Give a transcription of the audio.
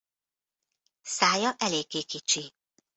Szája eléggé kicsi.